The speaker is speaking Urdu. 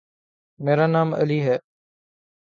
میرا نام علی ہے۔